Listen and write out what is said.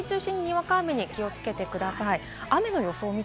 ただ山沿いを中心ににわか雨に気をつけてください。